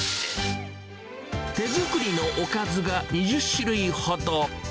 手作りのおかずが２０種類ほど。